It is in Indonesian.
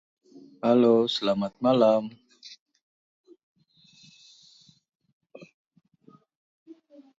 Batu bara sebagian besar terdiri dari karbon.